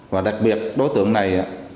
và đặc biệt đối tượng này á